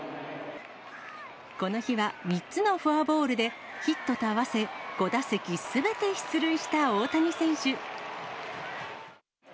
この日は３つのフォアボールで、ヒットと合わせ５打席すべて出塁した大谷選手。